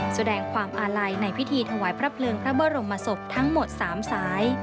แสดงความอาลัยในพิธีถวายพระเพลิงพระบรมศพทั้งหมด๓สาย